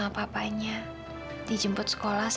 ma apa yang cuma pedesime